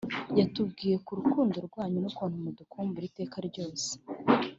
yatubwiye kurukundo rwanyu n ukuntu mudukumbura iteka ryose